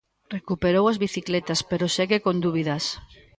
Recuperou as bicicletas pero segue con dúbidas.